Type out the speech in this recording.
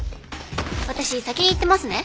私先に行ってますね。